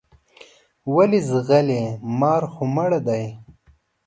ولې ځغلې مار خو مړ دی.